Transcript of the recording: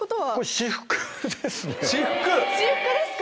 私服ですか？